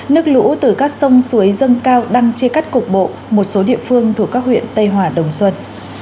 nước lũ từ các sông suối dâng cao đang chia cắt cục bộ một số địa phương thuộc các huyện tây hòa đồng xuân